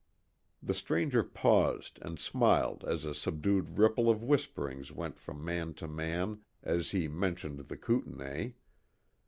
The stranger paused and smiled as a subdued ripple of whisperings went from man to man as he mentioned the Kootenay.